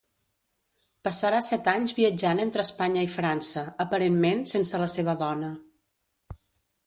Passarà set anys viatjant entre Espanya i França, aparentment sense la seva dona.